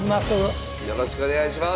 よろしくお願いします。